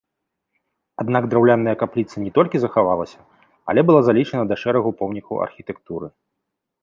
Аднак драўляная капліца не толькі захавалася, але была залічана да шэрагу помнікаў архітэктуры.